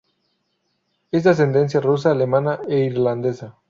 Es de ascendencia rusa alemana e irlandesa.